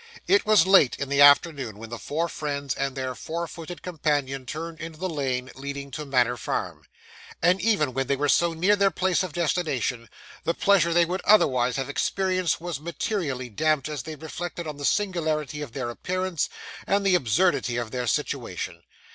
It was late in the afternoon when the four friends and their four footed companion turned into the lane leading to Manor Farm; and even when they were so near their place of destination, the pleasure they would otherwise have experienced was materially damped as they reflected on the singularity of their appearance, and the absurdity of their situation.